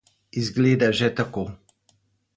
Izgleda že tako.